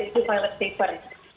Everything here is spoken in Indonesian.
yaitu toilet paper